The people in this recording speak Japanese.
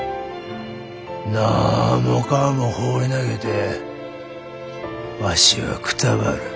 なんもかんも放り投げてわしはくたばる。